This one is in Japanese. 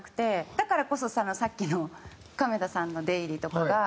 だからこそさっきの亀田さんの出入りとかが。